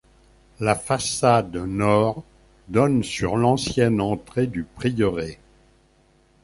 La façade nord donne sur l'ancienne entrée du prieuré.